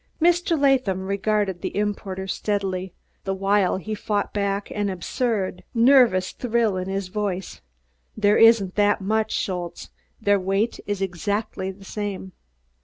Mr. Latham regarded the importer steadily, the while he fought back an absurd, nervous thrill in his voice. "There isn't that much, Schultze. Their weight is exactly the same."